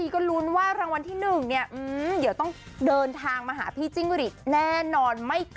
กันอยู่กับรางวัลที่๑อะเถอะ